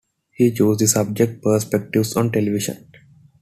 He chose the subject 'Perspectives on Television'.